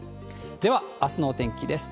では、あすのお天気です。